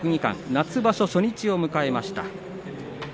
夏場所初日を迎えました。